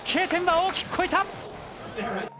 Ｋ点は大きく超えた。